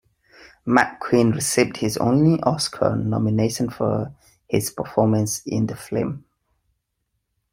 McQueen received his only Oscar nomination for his performance in the film.